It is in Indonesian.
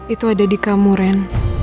itu ada di kamu ren